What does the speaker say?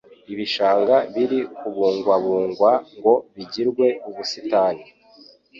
ibishanga biri kubungwabungwa ngo bigirwe ubusitani